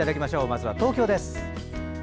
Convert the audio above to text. まずは東京です。